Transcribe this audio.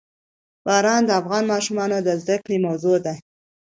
باران د افغان ماشومانو د زده کړې موضوع ده.